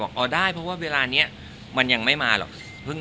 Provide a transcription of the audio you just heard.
อ๋อได้เพราะว่าเวลานี้มันยังไม่มาหรอก